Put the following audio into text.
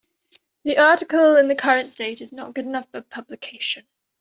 The article in the current state is not good enough for publication.